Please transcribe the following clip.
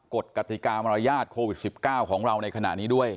กติกามารยาทโควิด๑๙ของเราในขณะนี้ด้วย